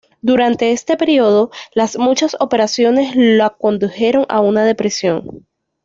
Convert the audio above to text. Durante este periodo, las muchas operaciones lo condujeron a una depresión.